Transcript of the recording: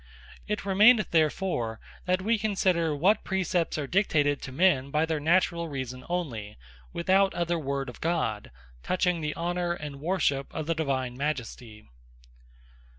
It remaineth therefore that we consider, what Praecepts are dictated to men, by their Naturall Reason onely, without other word of God, touching the Honour and Worship of the Divine Majesty.